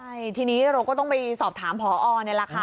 ใช่ทีนี้เราก็ต้องไปสอบถามพอนี่แหละค่ะ